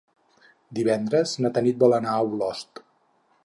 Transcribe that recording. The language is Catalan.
Divendres na Tanit vol anar a Olost.